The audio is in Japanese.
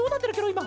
いま。